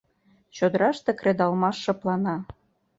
Чодыраште кредалмаш шыплана.